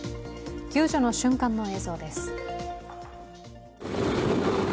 救助の瞬間の映像です。